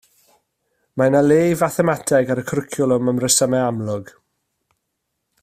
Mae yna le i fathemateg ar y cwricwlwm am resymau amlwg